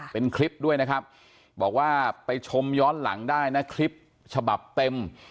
เป็นคลิปด้วยนะครับบอกว่าไปชมย้อนหลังได้นะคลิปฉบับเต็ม